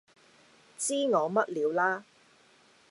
知我乜料啦